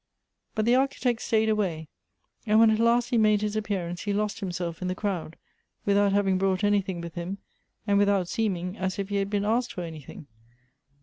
But the Architect stayed away, and when at last he made his appearance, he lost himself in the crowd, without having brought anything with him, and without seeming as if he had been asked for anything.